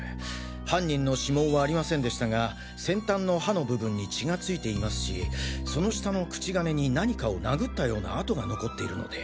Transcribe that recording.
犯人の指紋はありませんでしたが先端の刃の部分に血がついていますしその下の口金に何かを殴ったような跡が残っているので。